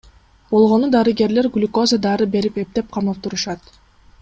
Болгону дарыгерлер глюкоза, дары берип эптеп кармап турушат.